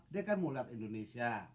dia kan mau lihat indonesia